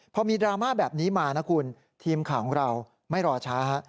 พอมีดราม่าแบบนี้มานะคุณทีมข่าวของเราไม่รอช้าฮะ